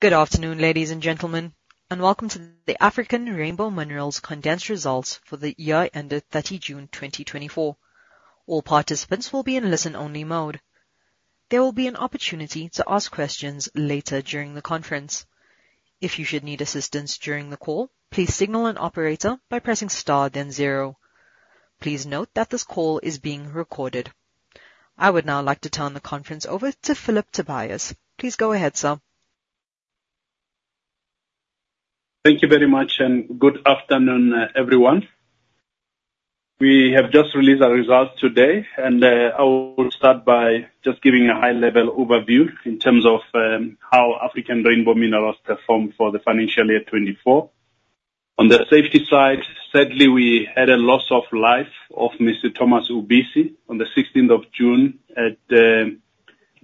Good afternoon, ladies and gentlemen, and welcome to the African Rainbow Minerals condensed results for the year ended 30 June, 2024. All participants will be in listen-only mode. There will be an opportunity to ask questions later during the conference. If you should need assistance during the call, please signal an operator by pressing star then zero. Please note that this call is being recorded. I would now like to turn the conference over to Phillip Tobias. Please go ahead, sir. Thank you very much, and good afternoon, everyone. We have just released our results today, and I will start by just giving a high-level overview in terms of how African Rainbow Minerals performed for the financial year 2024. On the safety side, sadly, we had a loss of life of Mr. Thomas Ubisi on the 16th of June at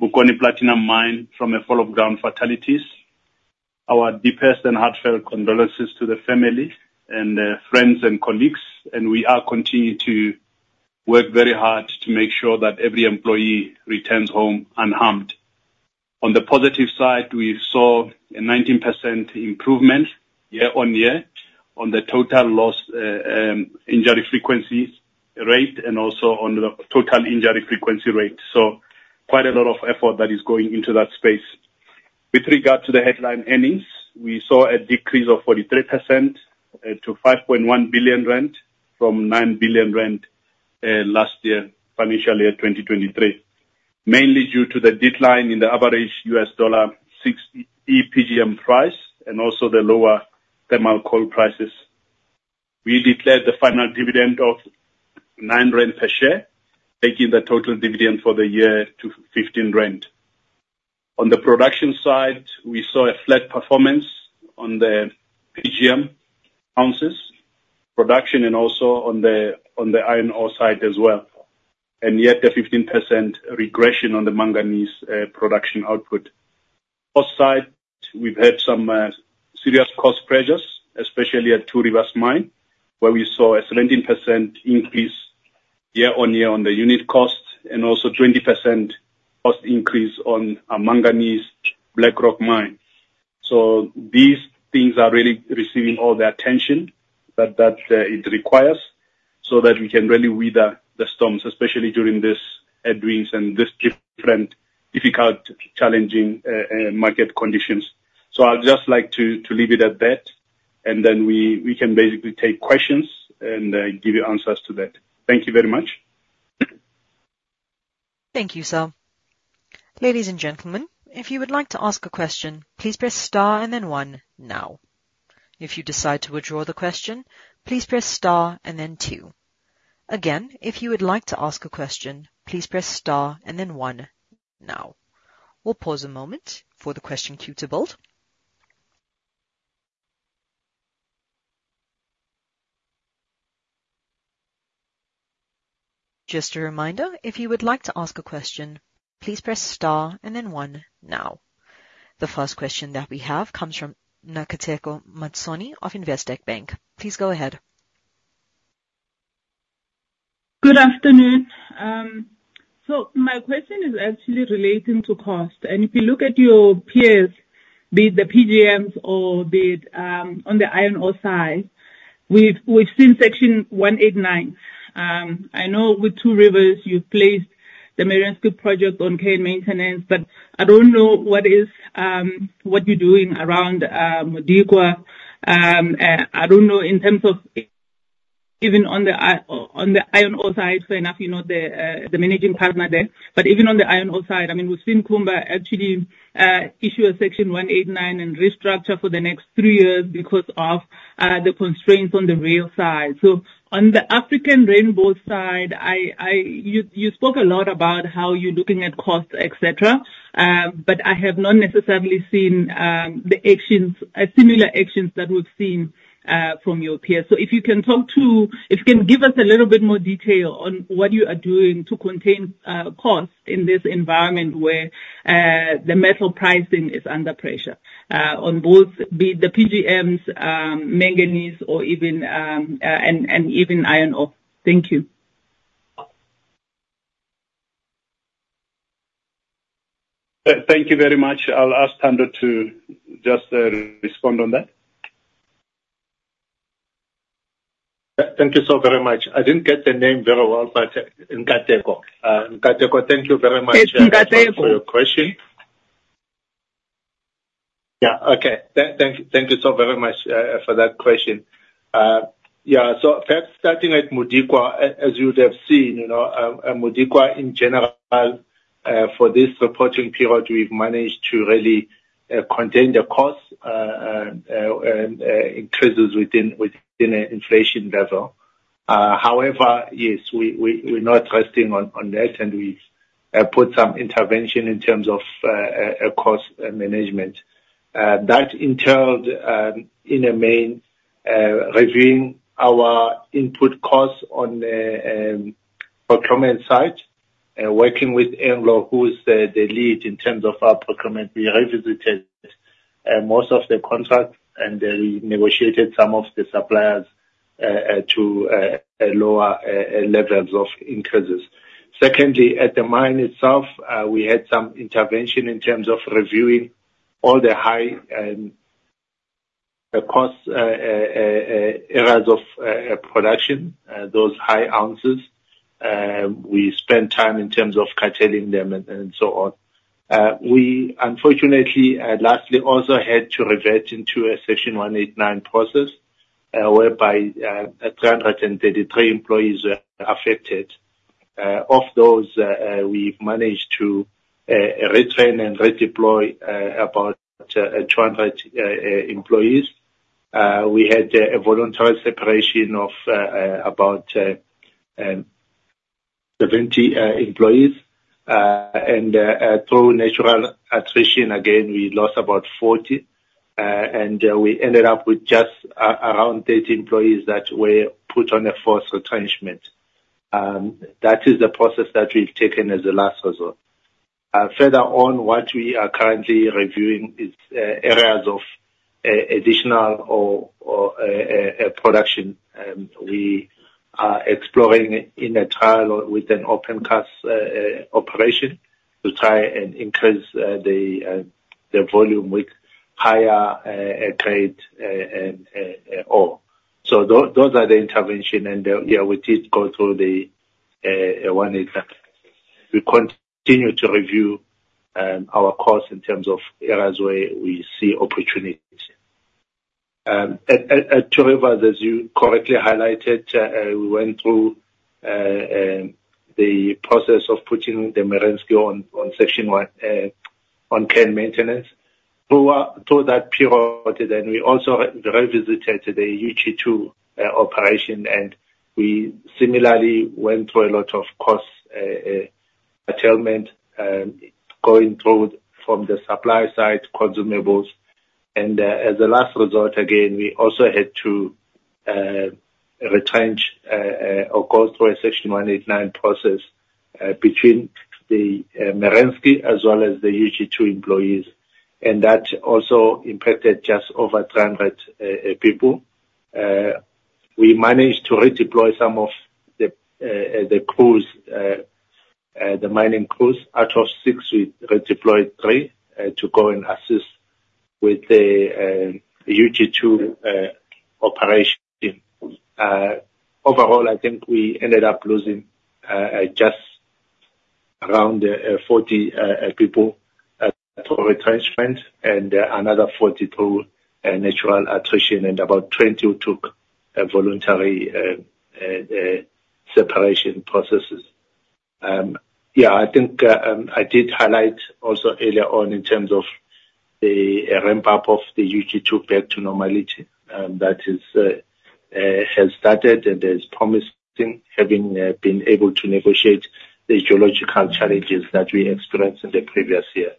Bokoni Platinum Mine from a fall of ground fatalities. Our deepest and heartfelt condolences to the family and friends and colleagues, and we are continuing to work very hard to make sure that every employee returns home unharmed. On the positive side, we saw a 19% improvement year-on-year on the total lost injury frequency rate and also on the total injury frequency rate. Quite a lot of effort that is going into that space. With regard to the headline earnings, we saw a decrease of 43% to 5.1 billion rand from 9 billion rand last year, financial year 2023, mainly due to the decline in the average USD 6E PGM price and also the lower thermal coal prices. We declared the final dividend of 9 rand per share, taking the total dividend for the year to 15 rand. On the production side, we saw a flat performance on the PGM ounces production and also on the iron ore side as well, and yet a 15% regression on the manganese production output. Cost side, we've had some serious cost pressures, especially at Two Rivers Mine, where we saw a 17% increase year-on-year on the unit cost and also 20% cost increase on our manganese Black Rock Mine. So these things are really receiving all the attention that it requires so that we can really weather the storms, especially during this headwinds and this different difficult, challenging market conditions. So I'd just like to leave it at that, and then we can basically take questions and give you answers to that. Thank you very much. Thank you, sir. Ladies and gentlemen, if you would like to ask a question, please press star and then one now. If you decide to withdraw the question, please press star and then two. Again, if you would like to ask a question, please press star and then one now. We'll pause a moment for the question queue to build. Just a reminder, if you would like to ask a question, please press star and then one now. The first question that we have comes from Nkateko Mathonsi of Investec Bank. Please go ahead. Good afternoon, so my question is actually relating to cost, and if you look at your peers, be it the PGMs or be it, on the iron ore side, we've seen Section 189. I know with Two Rivers, you've placed the Merensky project on care and maintenance, but I don't know what is, what you're doing around, Modikwa. I don't know, in terms of even on the iron ore side, fair enough, you know, the, the managing partner there. But even on the iron ore side, I mean, we've seen Kumba actually issue a Section 189 and restructure for the next three years because of, the constraints on the rail side. So on the African Rainbow side, I, I... You spoke a lot about how you're looking at costs, et cetera, but I have not necessarily seen the actions, similar actions that we've seen from your peers. So if you can give us a little bit more detail on what you are doing to contain costs in this environment where the metal pricing is under pressure, on both be it the PGMs, manganese or even and even iron ore. Thank you. Thank you very much. I'll ask Thando to just, respond on that. Thank you so very much. I didn't get the name very well, but Nkateko. Nkateko, thank you very much- It's Nkateko... for your question. Yeah, okay. Thank you, thank you so very much for that question. Yeah, so first, starting at Modikwa, as you would have seen, you know, Modikwa, in general, for this reporting period, we've managed to really contain the cost increases within an inflation level. However, yes, we're not resting on this, and we put some intervention in terms of a cost management. That entailed, in the main, reviewing our input costs on the procurement side, working with Anglo, who is the lead in terms of our procurement. We revisited most of the contracts, and then we negotiated some of the suppliers to a lower levels of increases.... Secondly, at the mine itself, we had some intervention in terms of reviewing all the high, the cost areas of production, those high ounces. We spent time in terms of curtailing them and so on. We unfortunately lastly also had to revert into a Section 189 process, whereby 333 employees were affected. Of those, we've managed to retrain and redeploy about employees. We had a voluntary separation of about 70 employees. And through natural attrition, again, we lost about 40, and we ended up with just around 30 employees that were put on a forced retrenchment. That is the process that we've taken as the last resort. Further on, what we are currently reviewing is areas of additional production, and we are exploring in a trial with an open cast operation, to try and increase the volume with higher grade ore. So those are the interventions, and yeah, we did go through the Section 189. We continue to review our costs in terms of areas where we see opportunities. At Two Rivers, as you correctly highlighted, we went through the process of putting the Merensky on care and maintenance. Through that period, then we also revisited the UG2 operation, and we similarly went through a lot of cost curtailment, going through from the supply side, consumables. And, as a last resort, again, we also had to retrench or go through a Section 189 process between the Merensky as well as the UG2 employees, and that also impacted just over 300 people. We managed to redeploy some of the crews, the mining crews. Out of six, we redeployed three to go and assist with the UG2 operation. Overall, I think we ended up losing just around 40 people through retrenchment, and another 40 through natural attrition, and about 20 who took a voluntary separation processes. Yeah, I think I did highlight also earlier on, in terms of the ramp-up of the UG2 back to normality. That has started and is promising, having been able to negotiate the geological challenges that we experienced in the previous year.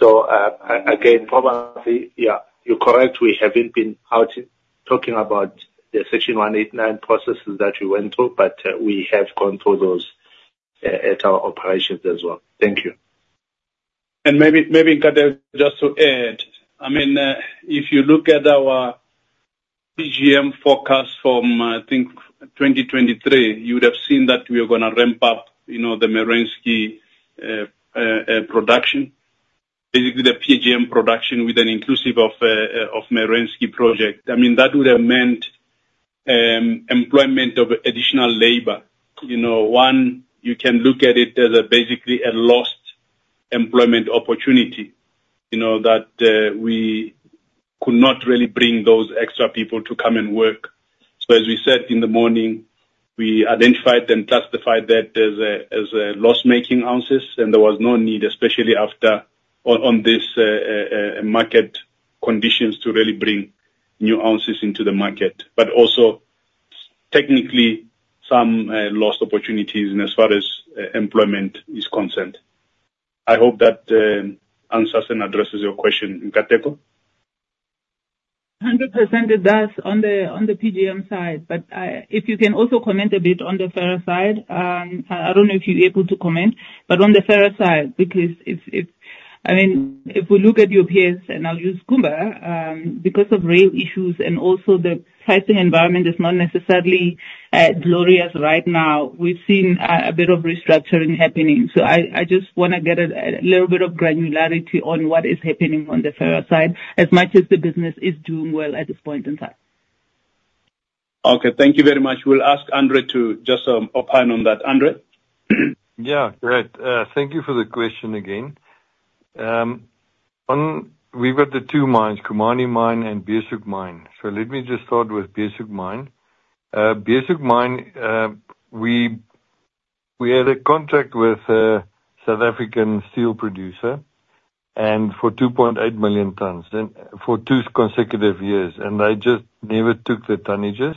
Again, probably, yeah, you're correct, we haven't been out talking about the Section 189 processes that we went through, but we have gone through those at our operations as well. Thank you. Maybe, maybe, Nkateko, just to add, I mean, if you look at our PGM forecast from, I think, 2023, you would have seen that we are gonna ramp up, you know, the Merensky production. Basically, the PGM production with an inclusive of Merensky project. I mean, that would have meant employment of additional labor. You know, one, you can look at it as basically a lost employment opportunity, you know, that we could not really bring those extra people to come and work. So as we said in the morning, we identified and classified that as a loss-making ounces, and there was no need, especially after, on this market conditions, to really bring new ounces into the market, but also technically some lost opportunities in as far as employment is concerned. I hope that answers and addresses your question, Nkateko. 100% it does on the PGM side, but if you can also comment a bit on the ferro side. I don't know if you're able to comment, but on the ferro side, because, I mean, if we look at your peers, and I'll use Kumba, because of rail issues and also the pricing environment is not necessarily glorious right now, we've seen a bit of restructuring happening. So I just wanna get a little bit of granularity on what is happening on the ferro side, as much as the business is doing well at this point in time. Okay, thank you very much. We'll ask Andre to just opine on that. Andre? Yeah, great. Thank you for the question again. We've got the two mines, Khumani Mine and Beeshoek Mine. So let me just start with Beeshoek Mine. Beeshoek Mine, we had a contract with a South African steel producer, and for 2.8 million tons, and for two consecutive years, and they just never took the tonnages.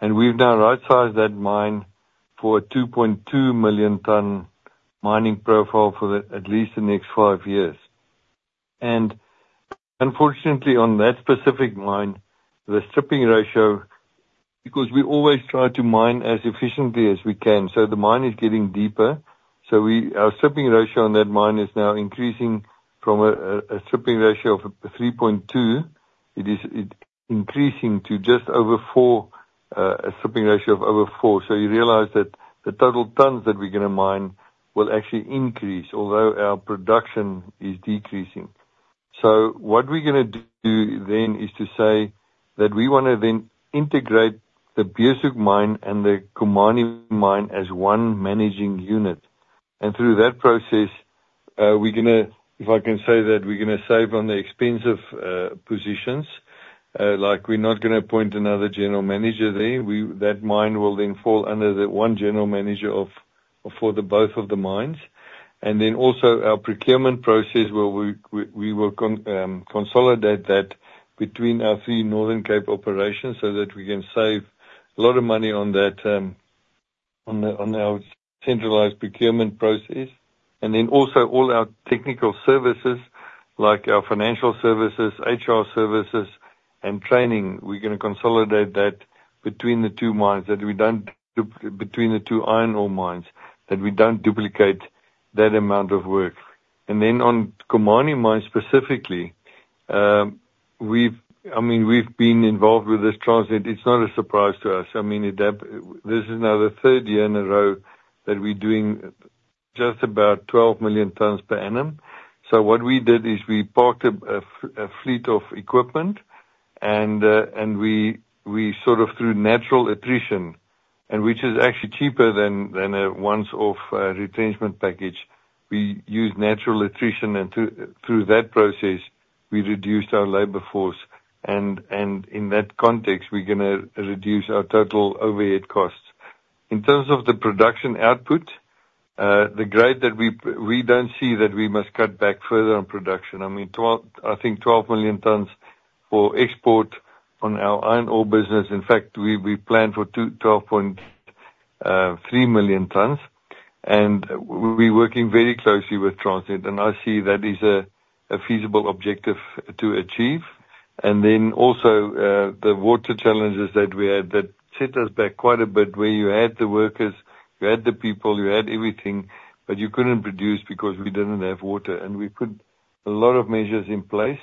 And we've now rightsized that mine for a 2.2 million ton mining profile for at least the next five years. And unfortunately, on that specific mine, the stripping ratio, because we always try to mine as efficiently as we can, so the mine is getting deeper, so our stripping ratio on that mine is now increasing from a stripping ratio of 3.2. It is increasing to just over four, a stripping ratio of over four. So you realize that the total tons that we're gonna mine will actually increase, although our production is decreasing. What we're gonna do then is to say that we wanna then integrate the Beeshoek Mine and the Khumani Mine as one managing unit. Through that process, we're gonna, if I can say that, we're gonna save on the expensive positions. Like, we're not gonna appoint another general manager there. That mine will then fall under the one general manager for both of the mines. Then also, our procurement process, where we will consolidate that between our three Northern Cape operations, so that we can save a lot of money on that, on our centralized procurement process. And then also all our technical services, like our financial services, HR services, and training, we're gonna consolidate that between the two mines, that we don't duplicate that amount of work. And then on Khumani Mine specifically, we've been involved with this Transnet. It's not a surprise to us. I mean, this is now the third year in a row that we're doing just about 12 million tons per annum. So what we did is we parked a fleet of equipment, and we sort of through natural attrition, and which is actually cheaper than a one-off retrenchment package. We used natural attrition, and through that process, we reduced our labor force, and in that context, we're gonna reduce our total overhead costs. In terms of the production output, the grade that we don't see that we must cut back further on production. I mean, 12, I think 12 million tons for export on our iron ore business. In fact, we planned for 12.3 million tons, and we're working very closely with Transnet, and I see that is a feasible objective to achieve. Then also, the water challenges that we had, that set us back quite a bit, where you had the workers, you had the people, you had everything, but you couldn't produce because we didn't have water. We put a lot of measures in place.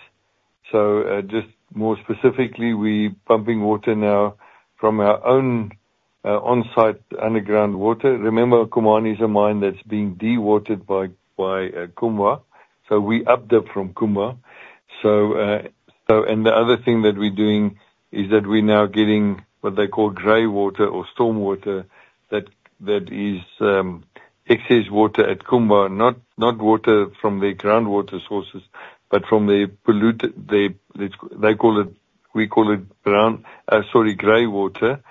Just more specifically, we pumping water now from our own on-site underground water. Remember, Khumani is a mine that's being dewatered by Kumba. We upped it from Kumba. The other thing that we're doing is that we're now getting what they call gray water or storm water. That is excess water at Kumba, not water from the groundwater sources, but from the polluted water they call it. We call it brown, sorry, gray water.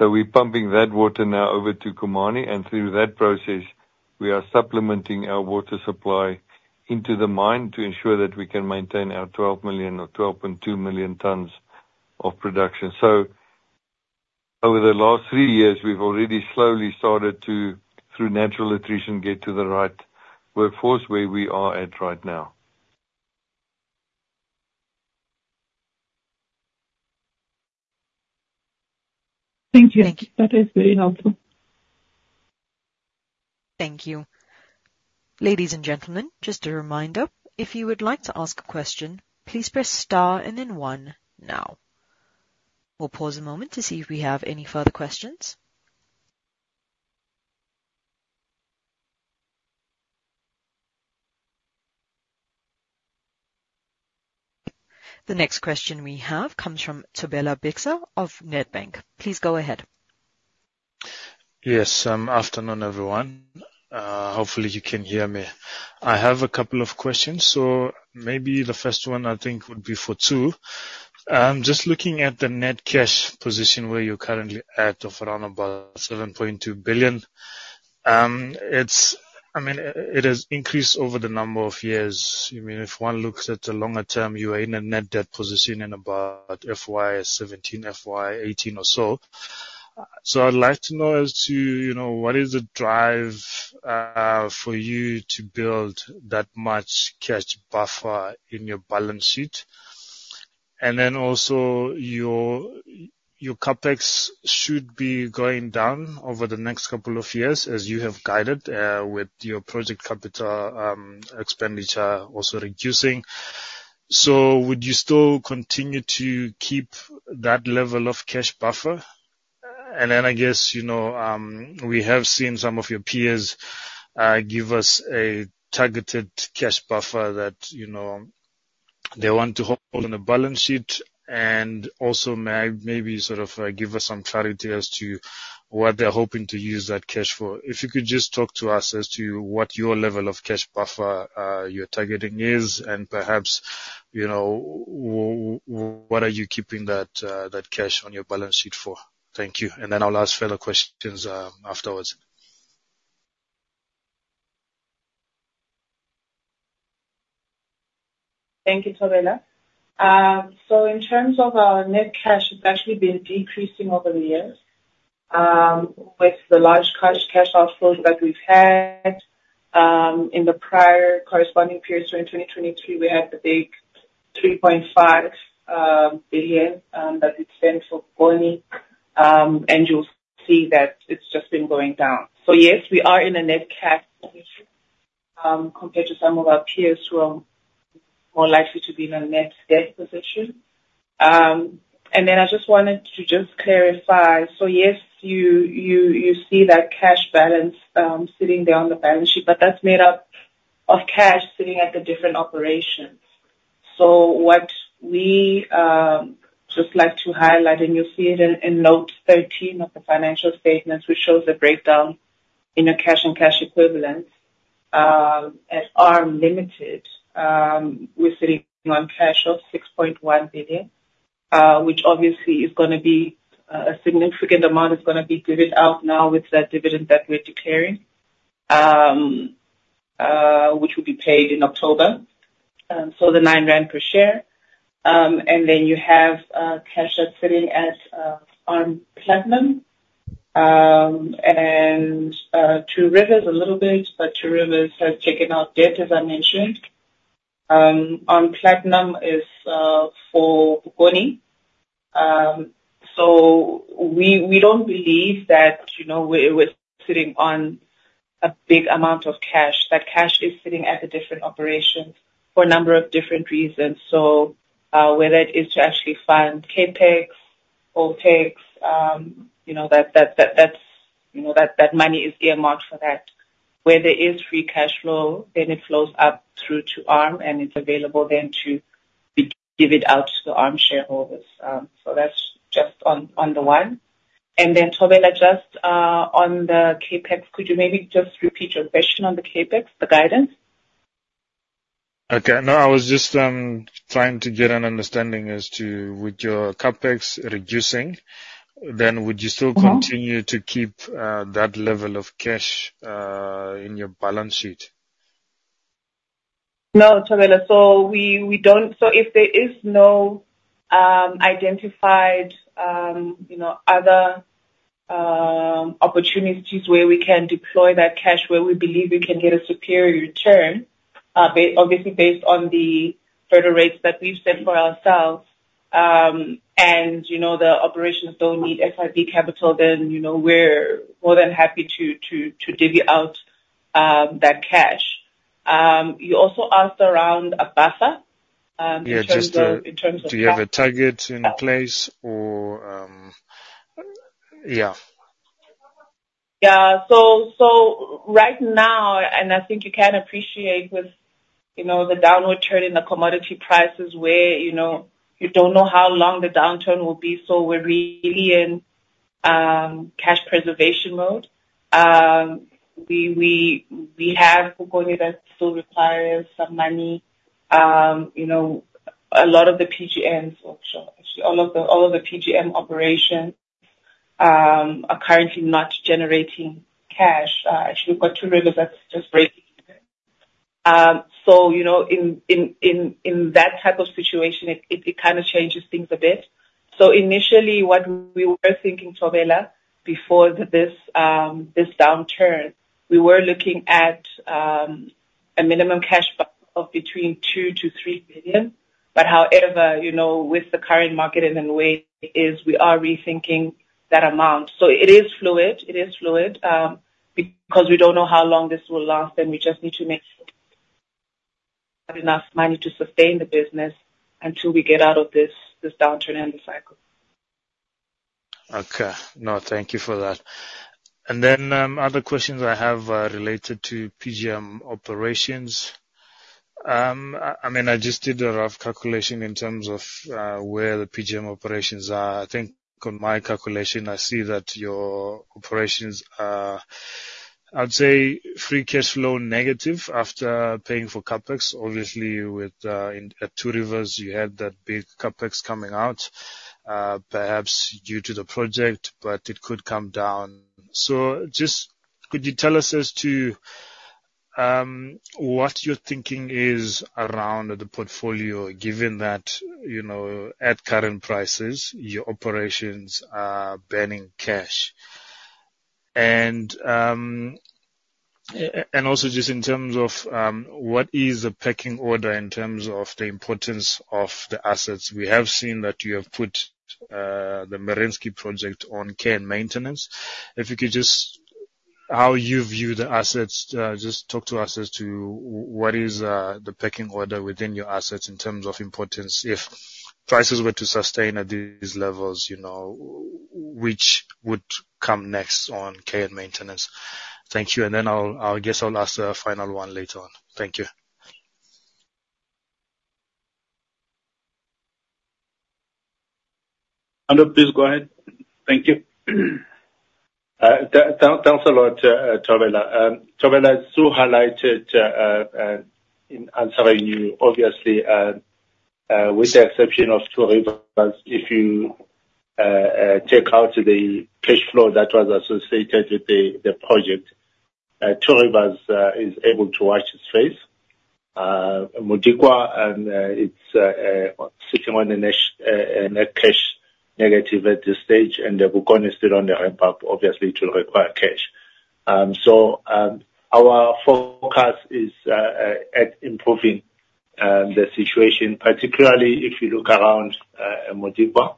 We're pumping that water now over to Khumani, and through that process, we are supplementing our water supply into the mine to ensure that we can maintain our 12 million or 12.2 million tons of production. Over the last three years, we've already slowly started to, through natural attrition, get to the right workforce where we are at right now. Thank you. Thank you. That is very helpful. Thank you. Ladies and gentlemen, just a reminder, if you would like to ask a question, please press star and then one now. We'll pause a moment to see if we have any further questions. The next question we have comes from Thobela Bixa of Nedbank. Please go ahead. Yes, afternoon, everyone. Hopefully you can hear me. I have a couple of questions, so maybe the first one, I think, would be for Thando. Just looking at the net cash position where you're currently at, of around about 7.2 billion. It's. I mean, it has increased over the number of years. You mean, if one looks at the longer term, you are in a net debt position in about FY 2017, FY 2018 or so. So I'd like to know as to, you know, what is the driver for you to build that much cash buffer in your balance sheet? And then also, your CapEx should be going down over the next couple of years, as you have guided, with your project capital expenditure also reducing. So would you still continue to keep that level of cash buffer? And then, I guess, you know, we have seen some of your peers give us a targeted cash buffer that, you know, they want to hold on a balance sheet. And also, maybe sort of give us some clarity as to what they're hoping to use that cash for. If you could just talk to us as to what your level of cash buffer you're targeting is, and perhaps, you know, what are you keeping that, that cash on your balance sheet for? Thank you, and then I'll ask further questions afterwards. Thank you, Thobela. So in terms of our net cash, it's actually been decreasing over the years, with the large cash outflows that we've had. In the prior corresponding periods during 2023, we had the big 3.5 billion that we spent for Bokoni, and you'll see that it's just been going down. So yes, we are in a net cash position-... compared to some of our peers who are more likely to be in a net debt position. And then I just wanted to just clarify, so, yes, you see that cash balance sitting there on the balance sheet, but that's made up of cash sitting at the different operations. So what we just like to highlight, and you'll see it in note 13 of the financial statements, which shows the breakdown in the cash and cash equivalents. At ARM Limited, we're sitting on cash of 6.1 billion, which obviously is gonna be a significant amount is gonna be divvied out now with that dividend that we're declaring, which will be paid in October. So the 9 rand per share. And then you have cash that's sitting at ARM Platinum, and Two Rivers a little bit, but Two Rivers has taken out debt, as I mentioned. ARM Platinum is for Bokoni. So we don't believe that, you know, we're sitting on a big amount of cash. That cash is sitting at the different operations for a number of different reasons. So whether it is to actually fund CapEx, OpEx, you know, that's, you know, that money is earmarked for that. Where there is free cash flow, then it flows up through to ARM, and it's available then to divide out to the ARM shareholders. So that's just on the one. And then, Thobela, just on the CapEx, could you maybe just repeat your question on the CapEx, the guidance? Okay. No, I was just trying to get an understanding as to, with your CapEx reducing, then would you still- Mm-hmm. -continue to keep that level of cash in your balance sheet? No, Thobela, so we don't. So if there is no identified, you know, other opportunities where we can deploy that cash, where we believe we can get a superior return, obviously based on the hurdle rates that we've set for ourselves, and, you know, the operations don't need capex, then, you know, we're more than happy to divvy out that cash. You also asked around Assmang, in terms of- Yeah, just In terms of cash. Do you have a target in place or, yeah. Yeah. So right now, and I think you can appreciate with, you know, the downward turn in the commodity prices, where, you know, you don't know how long the downturn will be, so we're really in cash preservation mode. We have Bokoni that still requires some money. You know, a lot of the PGMs, actually, all of the PGM operations are currently not generating cash. Actually, we've got Two Rivers that's just breaking even. So, you know, in that type of situation, it kind of changes things a bit. So initially, what we were thinking, Thobela, before this downturn, we were looking at a minimum cash buffer of between 2 billion-3 billion. However, you know, with the current market and the way it is, we are rethinking that amount. So it is fluid, it is fluid, because we don't know how long this will last, and we just need to make sure we have enough money to sustain the business until we get out of this, this downturn and the cycle. Okay. No, thank you for that. And then, other questions I have are related to PGM operations. I mean, I just did a rough calculation in terms of where the PGM operations are. I think on my calculation, I see that your operations are, I'd say, free cash flow negative after paying for CapEx. Obviously, with in at Two Rivers, you had that big CapEx coming out, perhaps due to the project, but it could come down. So just could you tell us as to what your thinking is around the portfolio, given that, you know, at current prices, your operations are burning cash? And, and also just in terms of what is the pecking order in terms of the importance of the assets? We have seen that you have put the Merensky project on care and maintenance. If you could just how you view the assets, just talk to us as to what is the pecking order within your assets in terms of importance. If prices were to sustain at these levels, you know, which would come next on care and maintenance? Thank you, and then I'll guess I'll ask a final one later on. Thank you. Hello, please go ahead. Thank you. Thanks a lot, Thobela. Thobela still highlighted, in answering you, obviously, with the exception of Two Rivers, if you take out the cash flow that was associated with the project, Two Rivers is able to wash its face. Modikwa, it's sitting on a net cash negative at this stage, and the Bokoni is still on the ramp up, obviously, to require cash. So, our focus is at improving the situation, particularly if you look around Modikwa,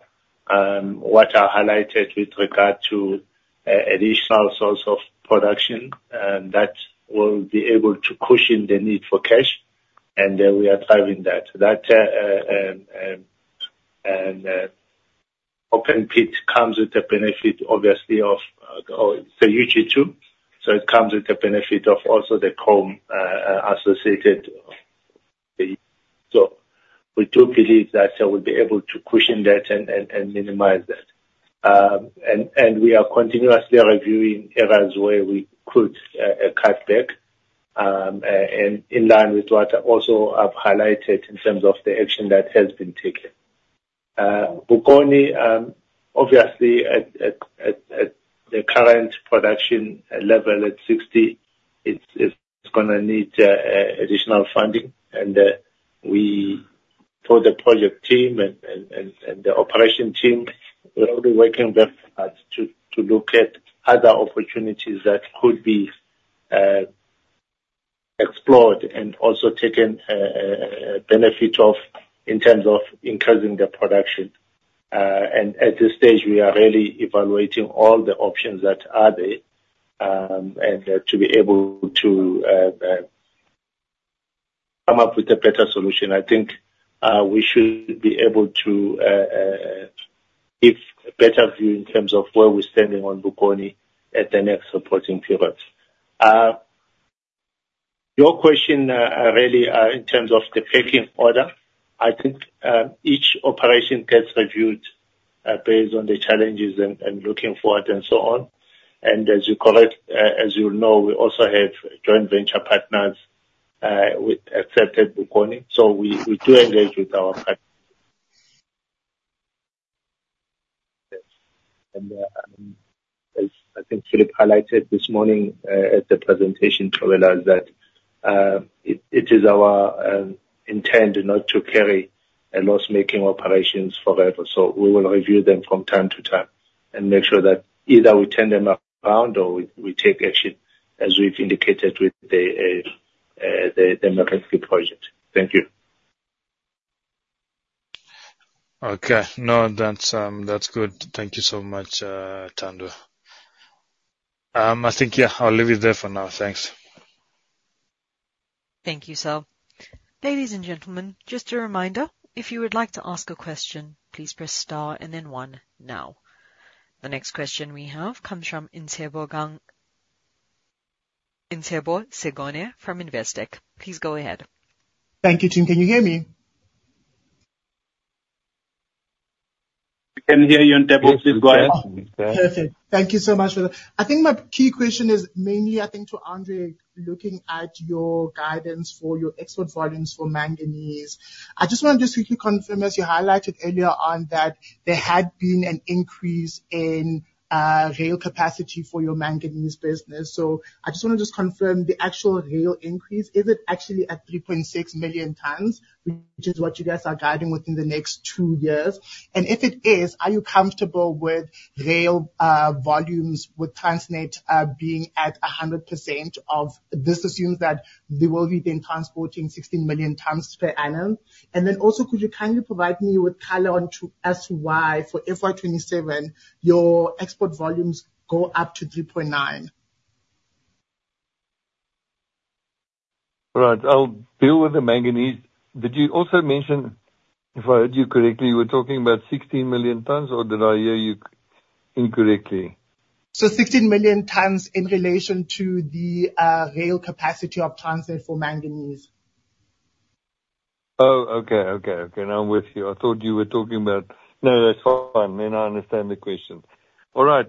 what was highlighted with regard to additional source of production, and that will be able to cushion the need for cash, and then we are driving that. That open pit comes with the benefit, obviously, of UG2, so it comes with the benefit of also the chrome associated. So we do believe that they will be able to cushion that and minimize that, and we are continuously reviewing areas where we could cut back and in line with what also I've highlighted in terms of the action that has been taken. Bokoni obviously at the current production level, at 60, it's gonna need additional funding, and we, for the project team and the operation team, we'll all be working very hard to look at other opportunities that could be explored and also taken benefit of, in terms of increasing the production. And at this stage, we are really evaluating all the options that are there, and to be able to come up with a better solution. I think we should be able to give a better view in terms of where we're standing on Bokoni at the next reporting period. Your question really in terms of the pecking order, I think each operation gets reviewed based on the challenges and looking forward, and so on. And as you know, we also have joint venture partners with, except at Bokoni, so we do engage with our partners. And as I think Philip highlighted this morning at the presentation, to realize that it is our intent not to carry loss-making operations forever. We will review them from time to time and make sure that either we turn them around or we take action, as we've indicated with the Merensky project. Thank you. Okay. No, that's good. Thank you so much, Thando. I think, yeah, I'll leave it there for now. Thanks. Thank you, Sir. Ladies and gentlemen, just a reminder, if you would like to ask a question, please press star and then one now. The next question we have comes from Itumeleng Segone from Investec. Please go ahead. Thank you. Team, can you hear me? We can hear you, Itumeleng. Please go ahead. Yes. Perfect. Thank you so much for that. I think my key question is mainly, I think, to Andre, looking at your guidance for your export volumes for manganese. I just want to just quickly confirm, as you highlighted earlier on, that there had been an increase in rail capacity for your manganese business. So I just want to just confirm the actual rail increase, is it actually at 3.6 million tons, which is what you guys are guiding within the next two years? And if it is, are you comfortable with rail volumes with Transnet being at 100% of. This assumes that they will be then transporting 16 million tons per annum. And then also, could you kindly provide me with color on as to why, for FY 2027, your export volumes go up to 3.9 million tons? Right. I'll deal with the manganese. Did you also mention, if I heard you correctly, you were talking about 16 million tons, or did I hear you incorrectly? So 16 million tons in relation to the rail capacity of Transnet for manganese. Oh, okay. Okay, okay, now I'm with you. I thought you were talking about... No, that's fine. Then I understand the question. All right,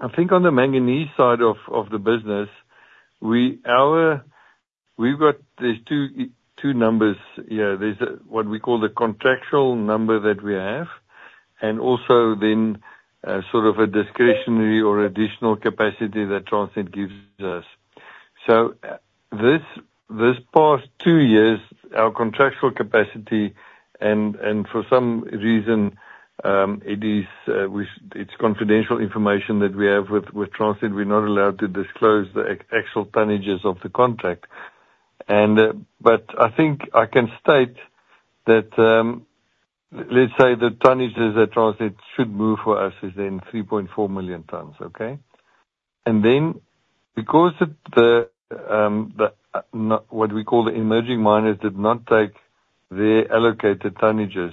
I think on the manganese side of the business, we've got these two numbers. Yeah, there's what we call the contractual number that we have, and also then sort of a discretionary or additional capacity that Transnet gives us. So, this past two years, our contractual capacity, and for some reason, it is confidential information that we have with Transnet. We're not allowed to disclose the actual tonnages of the contract. And, but I think I can state that, let's say the tonnages that Transnet should move for us is then 3.4 million tons, okay? And then, because what we call the emerging miners did not take their allocated tonnages,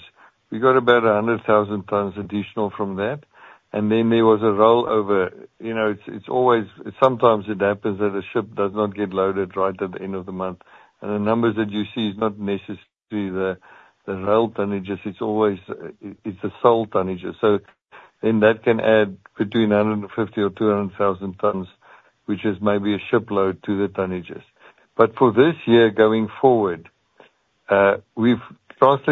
we got about 100,000 tons additional from that, and then there was a rollover. You know, it's always sometimes it happens that a ship does not get loaded right at the end of the month, and the numbers that you see is not necessarily the rail tonnages. It's always the sailed tonnage. So then that can add between 150,000 or 200,000 tons, which is maybe a shipload to the tonnages. But for this year, going forward, Transnet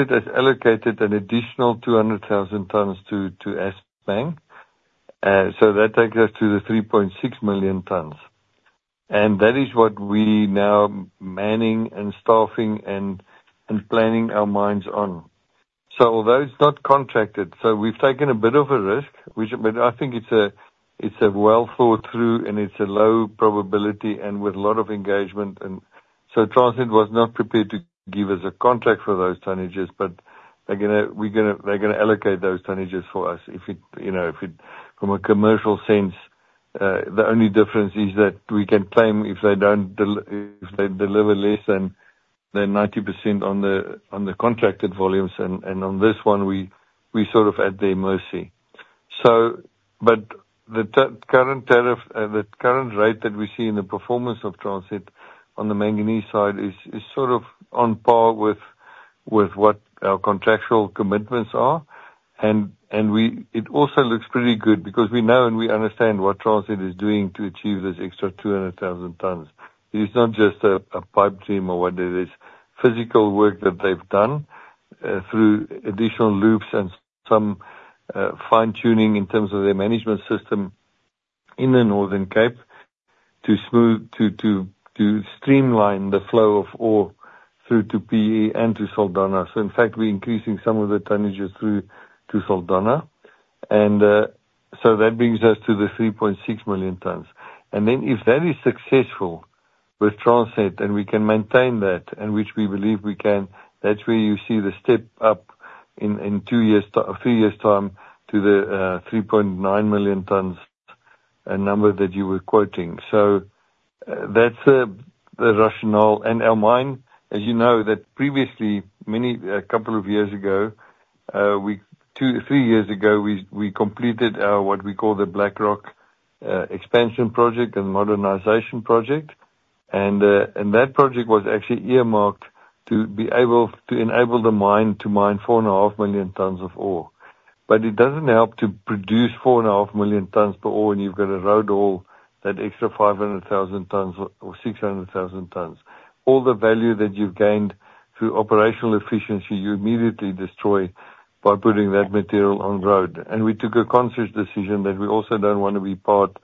has allocated an additional 200,000 tons to Assmang, so that takes us to the 3.6 million tons. And that is what we now manning and staffing and planning our mines on. Although it's not contracted, we've taken a bit of a risk, but I think it's well thought through, and it's a low probability with a lot of engagement, and so Transnet was not prepared to give us a contract for those tonnages, but they're gonna allocate those tonnages for us. You know, from a commercial sense, the only difference is that we can claim if they don't deliver less than 90% on the contracted volumes, and on this one, we sort of at their mercy. But the current tariff, the current rate that we see in the performance of Transnet on the manganese side is sort of on par with what our contractual commitments are. It also looks pretty good because we know and we understand what Transnet is doing to achieve this extra 200,000 tons. It is not just a pipe dream or whatever. It is physical work that they've done through additional loops and some fine-tuning in terms of their management system in the Northern Cape to streamline the flow of ore through to PE and to Saldanha. So in fact, we're increasing some of the tonnages through to Saldanha. So that brings us to the 3.6 million tons. And then if that is successful with Transnet, and we can maintain that, and which we believe we can, that's where you see the step up in two to three years time to the 3.9 million tons, a number that you were quoting. So, that's the rationale. And our mine, as you know, that previously, many, a couple of years ago, two, three years ago, we completed our, what we call the Black Rock expansion project and modernization project. And that project was actually earmarked to be able to enable the mine-to-mine 4.5 million tons of ore. But it doesn't help to produce 4.5 million tons of ore, and you've got to haul all that extra 500,000 tons or 600,000 tons. All the value that you've gained through operational efficiency, you immediately destroy by putting that material on road. We took a conscious decision that we also don't want to be part,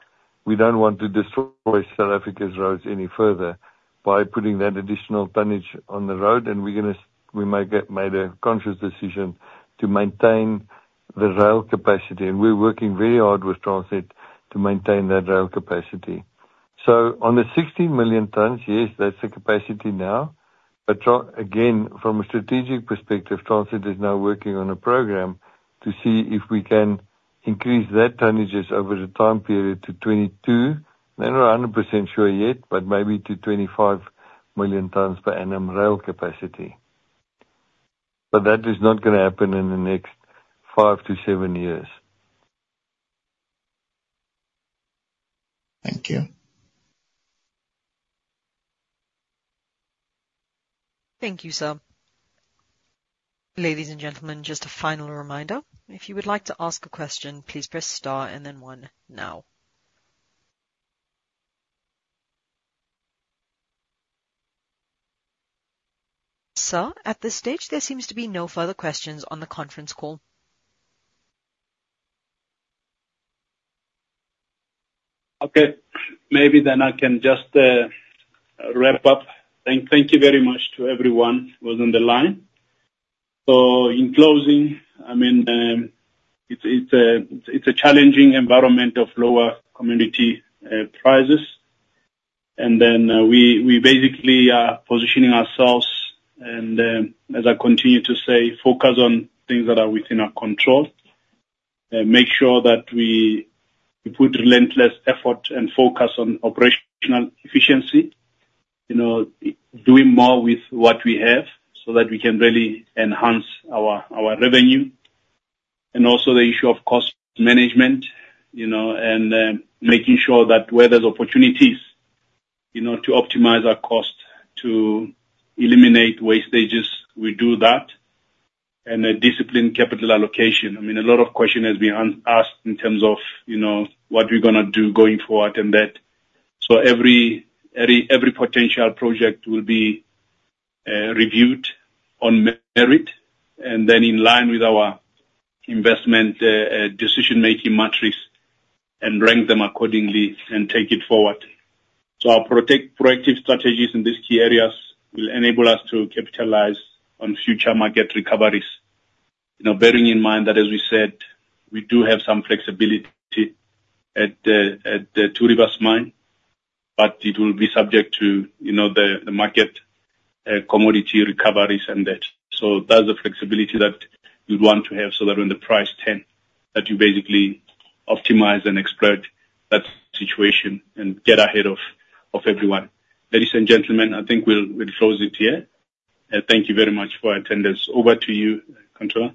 we don't want to destroy South Africa's roads any further by putting that additional tonnage on the road, and we made a conscious decision to maintain the rail capacity, and we're working very hard with Transnet to maintain that rail capacity. On the 16 million tons, yes, that's the capacity now, but again, from a strategic perspective, Transnet is now working on a program to see if we can increase their tonnages over the time period to 22 million tons. They're not 100% sure yet, but maybe to 25 million tons per annum rail capacity. That is not going to happen in the next five to seven years. Thank you. Thank you, sir. Ladies and gentlemen, just a final reminder, if you would like to ask a question, please press star and then one now. Sir, at this stage, there seems to be no further questions on the conference call. Okay. Maybe then I can just wrap up. Thank you very much to everyone who was on the line. So in closing, I mean, it's a challenging environment of lower commodity prices. And then we basically are positioning ourselves, and as I continue to say, focus on things that are within our control. Make sure that we put relentless effort and focus on operational efficiency, you know, doing more with what we have so that we can really enhance our revenue. And also the issue of cost management, you know, and making sure that where there's opportunities, you know, to optimize our costs to eliminate wastages, we do that. And a disciplined capital allocation. I mean, a lot of questions have been asked in terms of, you know, what we're gonna do going forward, and that. So every potential project will be reviewed on merit, and then in line with our investment decision-making matrix, and rank them accordingly and take it forward. So our proactive strategies in these key areas will enable us to capitalize on future market recoveries. You know, bearing in mind that, as we said, we do have some flexibility at the Two Rivers Mine, but it will be subject to, you know, the market commodity recoveries and that. So that's the flexibility that we'd want to have, so that when the price turn, that you basically optimize and exploit that situation and get ahead of everyone. Ladies and gentlemen, I think we'll close it here. Thank you very much for your attendance. Over to you, controller.